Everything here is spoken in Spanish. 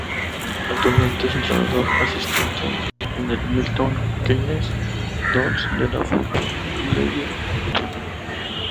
Actualmente es entrenador asistente en el Milton Keynes Dons de la Football League Two.